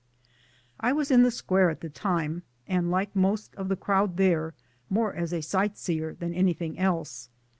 I was in the Square at the time, and like most of the crowd there more as a sightseer than any thing; else.